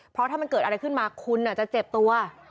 เพราะถ้ามันเกิดอะไรขึ้นมาคุณจะเจ็บตัว